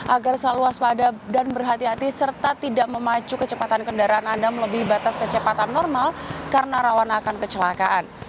agar selalu waspada dan berhati hati serta tidak memacu kecepatan kendaraan anda melebihi batas kecepatan normal karena rawan akan kecelakaan